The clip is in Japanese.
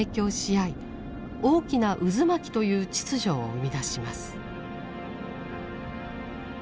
大きな渦巻きという秩序を生み出します。